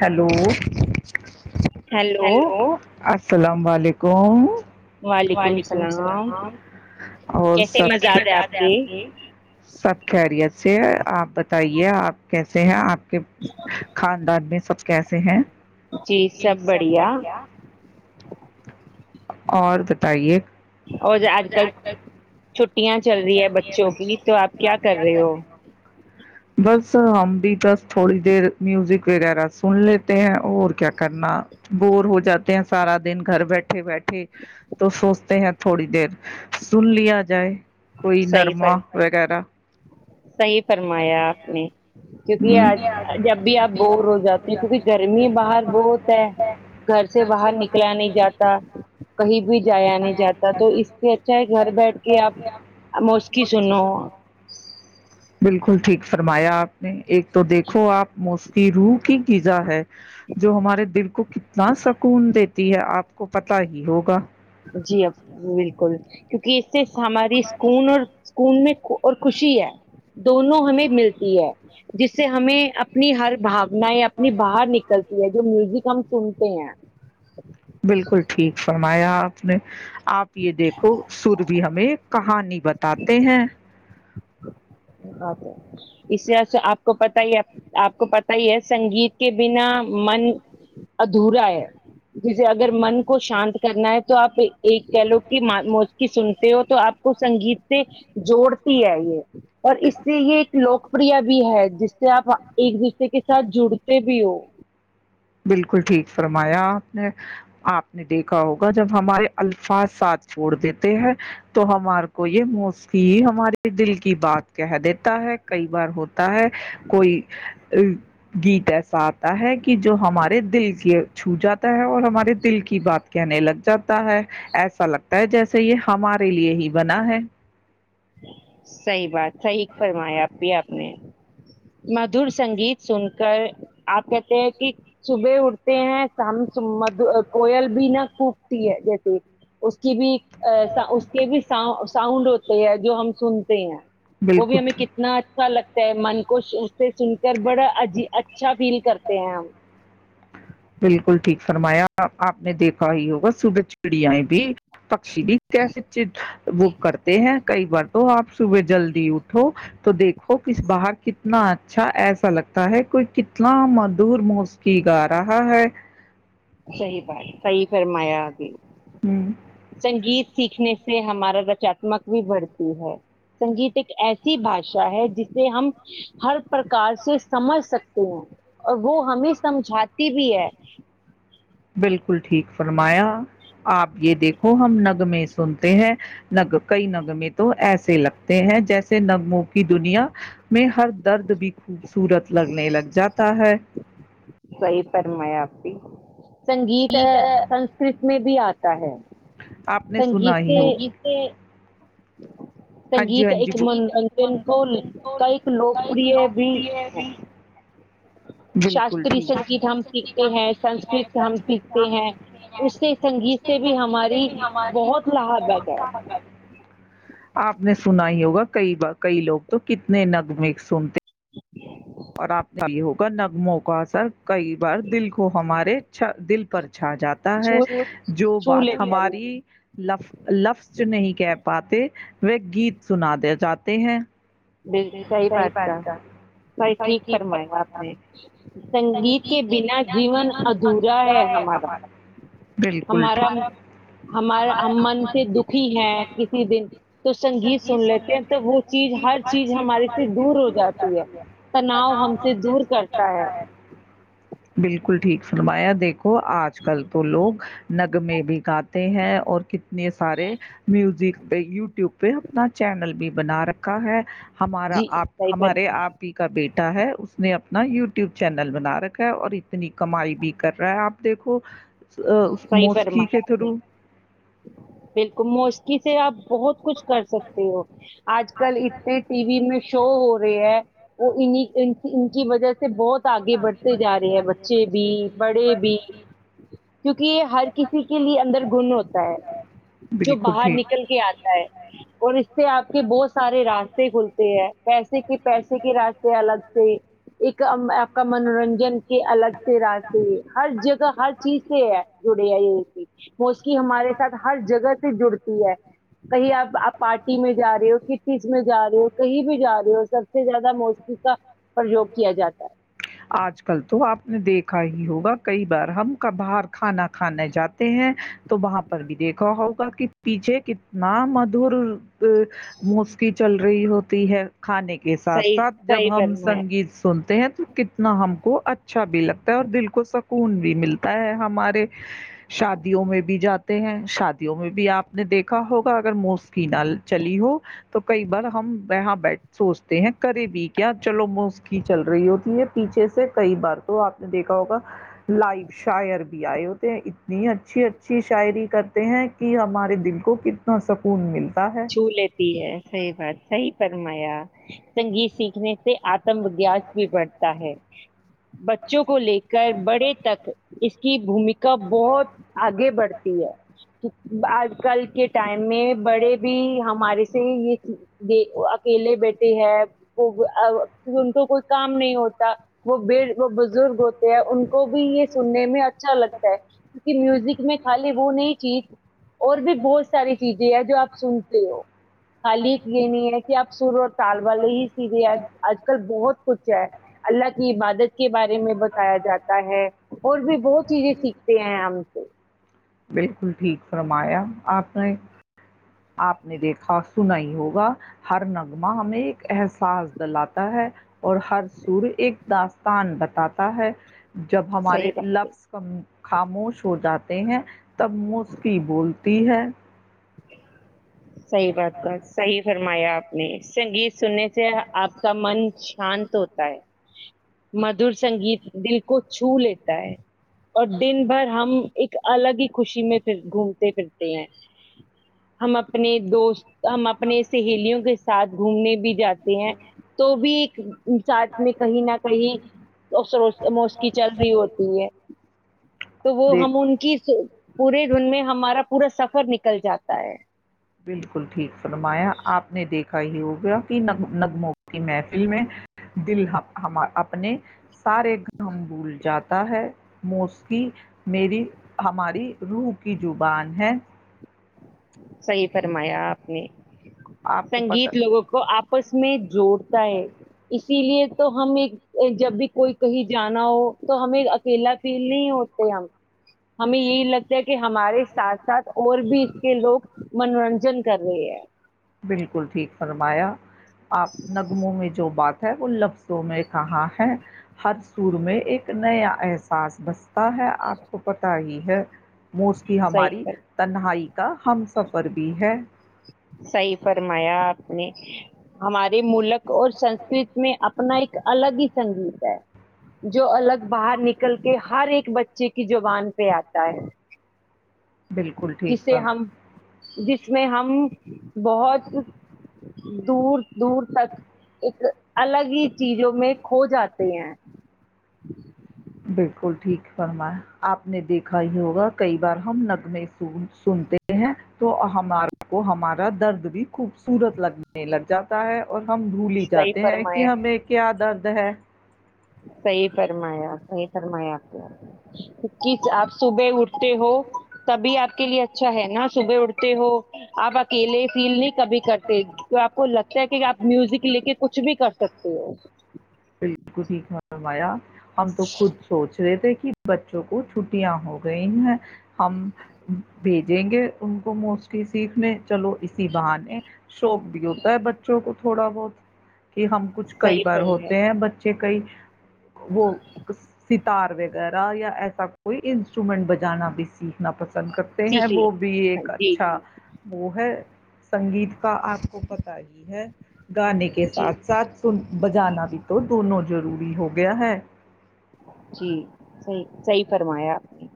hello hello السلام علیکم وعلیکم السلام اور اپ کی سب خیریت سے سے آپ بتائیے آپ کیسے ہیں آپ خاندان کیسے ہیں جی سب بڑھیا اور بتائیے اور آج کل چھٹیاں چل رہی ہے بچوں کی تو آپ کیا کر رہے ہو بس ہم بھی بس تھوڑی دیر میوزک وغیرہ سن لیتے ہیں اور کیا کرنا بور ہو جاتے ہیں سارا دن گھر بیٹھے بیٹھے تو سوچتے ہیں خڑی دیر سن لیا [unintelligible] [unintelligible] صحی فرما صحی فرمایا آپ نے کیونکہ آ جب بھی آپ بور ہو جاتے ہیں کیونکہ گرمی باہر بہت ہے گھر سے باہر نکلا نہیں جاتا کہیں بھی جایا نہیں جاتا تو اس سے اچھا ہے گھر بیٹھ کے آپ موسکی سنوں سرمایا ایک تو دیکھو آپ موست روح کی غذا ہے جو ہمارے دل کو کتنا سکون دیتی ہے ہے آپ کو پتا ہی ہوگا جی بالکل کیونکہ سرف ہمارے سکون [unintelligible] اور خوشی ہے دونوں ہمیں ملتی ہے جس سے ہمیں اپنی ہر بھاو اپنی باہر نکلتی ہے جو میوزک ہم سنتے ہیں [unintelligible] بالکل ٹھیک فرمایا ج [unintelligible] آپ یہ دیکھو سر بھی ہمیں کہانی بتاتے ہیں اچھا اس ط سے آپ کو پت ہی ہے آپ کو پتا ہی ہے سنگیت کے بنا من ادھورا ہے [unintelligible] جیسے اگر من کو شانت کرنا ہے تو آپ ایک کہ لوگ کی موج کی سن ہو تو آپ کو سنگیت سے جوڑتی ہے یہ اور اس سے یہ ایک لوکپ بھی ہے جس سے آپ ایک دوسرے کے ساتھ جڑتے بھی ہو بالکل ٹھیک فرمایا آپ نے آپ نے دیکھا ہوگا جب ہمارے الفاظ ساتھ چھوڑ دیتے ہیں تو ہمار کو یہ موسیی ہمارے دل کی بات کہ دیتا ہے کئی بار ہوتا ہے کوئی گیت ایسا آتا ہے کہ جو ہمارے دل کے چھو جاتا ہے اور ہمارے دل کی بات کہنے لگ جاتا ہے ایسا لگتا ہے جیسے یہ ہمارے لیے ہی بنا ہے صحیح بات صحیح فرما آپ بھی آپ نے مدور سنگیت سن کر آپ کہتے ہیں کہ صبح اٹھتے ہیں شام مد کوئل بھی نہا خ ہے جیسے اس کی بھی ا اس کے بھی س ساؤنڈ ہوتا ہے جو ہم سنتے ہیں وہ بھی ہمیں کتنا اچھا لگتا من کو اس سے سن کر بڑا اچھا فیل کرتے ہیں ہم فرمایا آپ نے دیکھا ہی ہوگا صبح چڑیا بھی بھی کیسے چز وہ کرتے ہیں کئی بار تو آپ صبح جلدی اٹھو تو دیکھ و کہ باہر ک نہ اچھا ایسا لگتا ہے کوئی کتنا مدور موسیکی گار کہاں ہے صحیح بات صحیح فرمایا ابھی سنگیت سیکھنے سے ہمارا رچاتمک بھی بڑھتی ہے سنگیت ایک ایسی بھاشا ہے جسے ہم ہر پرکار سے سمجھ سکتے ہیں اور وہ ہمیں سمجھاتی بھی ہے بالکل ٹھیک فرمایا آپ یہ دیکھو ہم نگمے سے سنتے ہیں نگ کئی نگ میں تو ایسے لگتے ہیں جیسے نغموں کی دنیا میں ہر درد بھی خوبصورت لگنے لگ جاتا ہے صحی فرمیا آپی سنگیت سنسکرت میں بھی آتا ہے آپ نے سنا ہی ہو ہاں جی ہاں جی ایک منورنجن تو کا ایک لوک بھی بالکل سنگیت ہم سھتے ہیں ست ہم سیکھتے ہیں اس سنگیت سے بھی ہماری ب آپ نے سنا ہی ہوگا کئی بار کئی لوگ تو کتنے نگم سنتے جی اور آپ کا یہ ہوگا نغموں کا سر کئی بار دل کو ہمارے چ دل پر چھا جاتا ہے جو بات ہماری لفظ نہیں کہہ پاتے وہ گیت سنا دے جاتے ہیں جی صحیح بات کا بائی ٹھیک فرمایا آپ نے سنگیت کے بنا جیون ادھورا ہے ہمارا ہمارا ہمارا ہم من سے دکھی ہے کسی دن تو سنگیت سن لیتے ہیں تو وہ چیز ہر چیز ہمارے سے دور ہو جاتی ہے تناؤ ہم سے دور کرتا ہے بالکل ٹھیک سرمان آیا دیکھو آج کو کل تو لوگ نگ میں بھی گاتے ہیں اور کتنے سارے میوزک پہ یوٹیوب پہ اپنا چینل بھی بنا رکھا ہے ہمارا آپ ہمارے آپ ہی کا بیٹا ہے اس نے اپنا یوٹیوب چینل بنا رکھا ہے اور اتنی کمائی بھی کر رہا ہے آپ دیکھو ا مسکی کے تھرو بالکل موش ک سے آپ بہت کچھ کر سکتے ہو آج کل اتنے ٹی وی میں شو ہو رہے ہے وہ ان ان کی وجہ سے سے بہت آگے بڑھتے جا رہے ہیں بچے بھی بڑے بھی کیونکہ یہ ہر کسی کے لیے اندر گن ہوتا ہے جو باہر نکل کے آتا ہے اور اس سے آپ کے بہ سارے راستے کھلتے ہیں پیسے کے پیسے کے راستے الگ سے ایک آپ کا منورنجن کے الگ سے راستے ہر جگہ ہر چیز سے ہے جڑے ہے یہ اس وہ اس کی ہمارے سات ہر جگہ سے جڑتی ہے کہیں آپ آپ پارٹی میں جا رہے ہو ک چز میں جا رہے ہو کہیں بھی جا رہے ہو سب سے زیادہ موسمی کا پرریوگ کیا جاتا ہے ہی ہوگا کئی بار ہم کا بر کھانا کھانے جاتے ہیں وہاں پر بھی دیکھو ہوگا کہ پیچھے ک نام ادور مس چل رہی ہوتی ہے کھانے کے ساتھ ساتھ جب ہم سنگیت سن ہیں تو کتنا ہم کو اچھا بھی لگتا ہے اور دل کو سکون بھی ملتا ہے ہمارے شادیوں میں بھی جاتے ہیں شادیوں میں بھی آپ نے دیکھا ہوگا اگر موسیقی نہ چلی ہو تو کئی بار ہم وہاں بیٹھ سوچتے ہیں کرے بھی کیا چلو موسیقی چل رہی ہوتی ہے پیچھے سے کئی بار تو آپ نے دیکھا ہوگا لائف شائر بھی آئے ہوتے ہیں اتنی اچھی ا اچھی شاعری کرتے ہیں کہ ہمارے دل کو کتنا سکون مل چھو لیتی ہے صحیح بات صحیح فرمایا سنگیت سیکھنے سے آ تمب گیس بھی بڑھتا ہے [unintelligible] بچوں کو لے کر بڑے تک اس بھمی [unintelligible] بہت آگے بڑھتی ہے کیک آج کل کے ٹائم میں بڑے بھی ہمارے سے یہ اکیلے بیٹھے ہے وہ ان کو کوئی کام نہیں ہوتا وہ بڑ وہ ب بگ ہوتے ہیں ان کو بھی یہ سننے میں اچھا لگتا ہے کیکہ میوزک میں خالی وہ نہیں چیز اور بھی بہت ساری چیزیں ہے جو آپ سنتے ہو خالی یہ نہیں ہے کہ آپ سر اور تال والے ہی سیدھے آج کل بہت کچھ ہے اللہ کی یہ بات کے بارے میں بتایا جاتا ہے اور بھی بہت چیزیں سیکھتے ہیں ہم بالکل ٹھیک فرمایا آپ نے آپ نے دیکھا سنا ہی ہوگا ہر نغمہ ہمیں ایک احساس دلاتا ہے اور ہر سر ایک داستان بتاتا ہے جب ہمارے لفظ خاموش ہو جاتے ہیں تب مسی بول تی ہے ا [inaudible] صحیح بات کا صحیح ہے فرمایا آپ نے سنگیت سننے سے آپ کا من شانت ہوتا ہے مدور سنگیت دل کو چھو لیتا ہے اور دن بھر ہم ایک الگ ہی خوشی میں پھر گھومتے پھرتے ہیں ہم اپنے دوست ہم اپنے سہیلیوں کے ساتھ گھومنے بھی جاتا تو بھی ساتھ میں کہیں نہ کہیں موسیکی چل رہی ہوتی ہے تو وہ ہم ان کی پورے دن میں ہمارا پورا سفر نکل جاتا تائے [unintelligible] فرمایا آپ نے دیکھا ہی ہوگیا کہ نگمو کی محفل میں دل اپنے سارے گم بھول جاتا ہے موسیقی میری ہماری روح کی زبان ہے [unintelligible] صحیح فرمایا آپ نے سنگیت لوگوں کو آپ اس میں جوڑتا ہے اس [unintelligible] اسی لیے تو ہم ایک جب بھی کوئی کہیں جانا ہو تو ہمیں اکیلا فیل نہیں ہوتے ہم ہمیں یہی لگتا کہ ہمارے ساتھ ساتھ اور بھی کے لوگ منورنجن کر رہے ہیں بالکل ٹھیک فرمایا آپ نغموں میں جو بات ہے ان لفظوں میں کہاں ہے ہر سر میں ایک نیا احساس بستا ہے آپ کو پتا ہی ہے مس کی ہماری تنہائی کا ہم سفر بھی ہے صحیح فرمایا آپ نے ہمارے ملک [unintelligible] اور سنسکرت میں اپنا ایک الگ ہی سنگیت ہے جو الگ باہر نکل کے ہر ایک بچے کی زبان پہ آتا ہے جسے ہم جس اس میں ہم [unintelligible] بہت دور [unintelligible] دور تک ایک [unintelligible] الگ ہی چیزوں میں کھو جاتے ہیں بالکل ٹھیک فرما آپ نے دیکھا ہی ہوگا کئی بار ہم نغمے سنتے ہیں تو ہمار کو ہمارا درد بھی خوبصورت لگنے لگا تا ہے [unintelligible] اور ہم بھول ہی جاتے ہیں کہ ہمیں کیا عدر د ہے [unintelligible] صحی فرمایا صحی فرمایا آپ کو آپ صبح اٹھ ہو تبھی آ کے لیے اچھا ہے نہا صبح اٹھتے ہو آپ اکیلے فیل نہیں کبھی کرتے تو آپ کو لگتا ہے کہ آپ میوزک لے کے کچھ بھی کر سکتے ہو بالکل ٹھیک فرمایا ہم تو خود سوچ رہے تھے بچوں کو چھٹیاں ہو گئی ہیں ہم بھیجیں گے ان کو موسٹلی سیکھنے چلو اسی بہانے شوق بھی ہوتا ہے بچوں کو تھوڑا بہت کہ ہم کچھ کئی بار ہوتے بچے کئی وہ س تار وغیرہ یا ایسا کوئی انسٹرومینٹ بجانا بھی سیکھنا پسند کرتے ہیں وہ بھی ایک اچھا وہ ہے سنگیت کا آپ کو پ آی ہے گانے کے ساتھ ساتھ سن بجانا بھی دونوں ضروری ہو گیا ہے جیی صحیح فرمایا آپ نے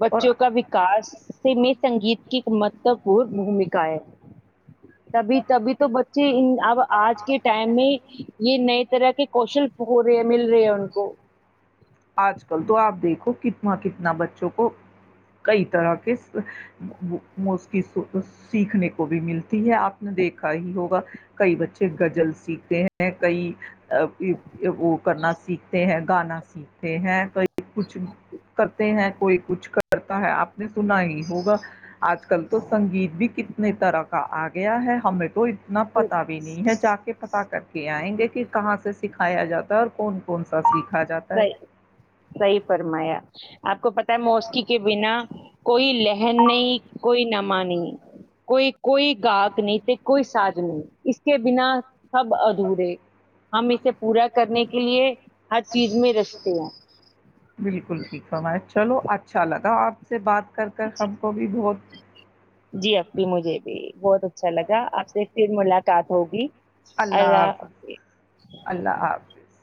بچوں کا وکاس میں سنگیت کی ایک مہتو پورن بھومکا ہے تبھی تبھی تو بچے اب آج کے ٹائم میں یہ نئے رہح کہ کوشل ہو رہی مل رہی ان کو [unintelligible] وہاں کتنا بچوں کو کئی طرح کے مکی سیکھنے کو بھی ملتی ہے آپ نے دیکھا ہی ہوگا کئی بچے غزل سیکھتے ہیں میں کئی [unintelligible] ا یہ وہ [unintelligible] کرنا سیکھتے ہیں گانا س ہیں کئی کچھ کرتے ہیں کوئی کچھ کر کرتا ہے آپ [unintelligible] نے سنا ہی ہوگا آج کل تو سنگیت بھی ک نی طرح کا آ گیا ہے ہمیں تو نہ پتا بھی نہیں ہے جا کے پتاہ کر کے آئیں گے کہ کہاں سے سکھایا جاتا ہے اور کون کون سا سیکھ س سئی فرم آپ کو پتا ہے موسیقی کے بنا کوئی لہن نہیں کوئی نم نہیں کوئی کوئی گاہک نہیں ت کوئی سج نہیں اس کے بنا سب ادھورے ہم اسے پورا کرنے کے لیے ہ چیز میں رستے ہیں چلو اچھا لگا آپ سے بات کر کر ہم کو بھی بہت جی اب بھی مجھے بھی بہت اچھا لگا آپ سے پھر ملاقات ہوگی اللہ حافظ اللہ حافظ